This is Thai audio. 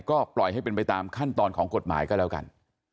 ก็ปล่อยให้เป็นไปตามขั้นตอนของกฎหมายก็แล้วกัน